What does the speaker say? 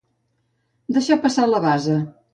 Deixar passar la basa.